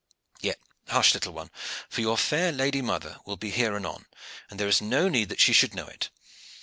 Yet, hush! little one, for your fair lady mother will be here anon, and there is no need that she should know it.